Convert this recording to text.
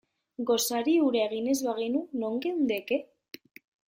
Gosari hura egin ez bagenu, non geundeke?